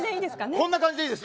こんな感じでいいです。